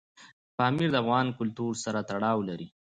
پامیر د افغان کلتور سره تړاو لري.